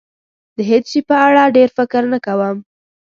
د هېڅ شي په اړه ډېر فکر نه کوم.